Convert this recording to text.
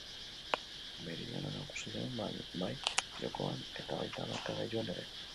Meridiano nagusi zen bai jokoan eta baita markagailuan ere.